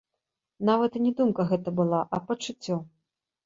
Нават і не думка гэта была, а пачуццё.